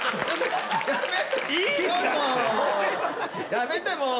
やめてもう！